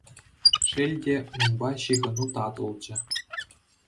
Шел те, унпа ҫыхӑну татӑлчӗ.